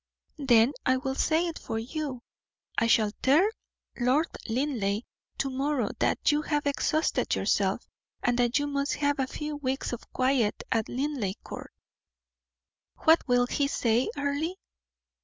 "Then I will say it for you. I shall tell Lord Linleigh, to morrow, that you have exhausted yourself, and that you must have a few weeks of quiet at Linleigh Court." "What will he say, Earle?"